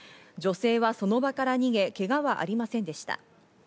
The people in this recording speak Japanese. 女性はその場から逃げ、けがはありませんでした。